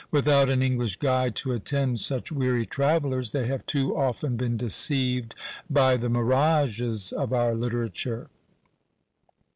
Without an English guide to attend such weary travellers, they have too often been deceived by the mirages of our literature.